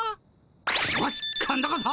よし今度こそ！